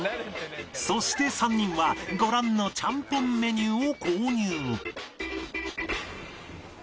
そして３人はご覧のちゃんぽんメニューを購入